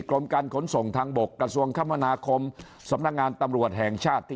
กรมการขนส่งทางบกกระทรวงคมนาคมสำนักงานตำรวจแห่งชาติที่